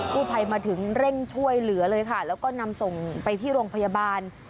ผู้ภัยมาถึงเร่งช่วยเหลือเลยค่ะแล้วก็นำส่งไปที่โรงพยาบาล